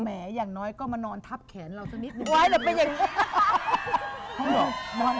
แหมอย่างน้อยก็มานอนทับแขนเราสักนิดหนึ่ง